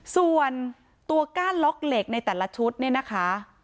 ส่วนตัวก้านล็อกเหล็กในแต่ละชุดเนี่ยนะคะ